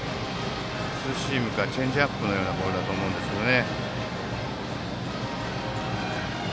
ツーシームかチェンジアップのようなボールだと思うんですけどね。